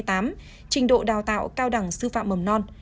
trình độ đào tạo cao đẳng sư phạm mầm non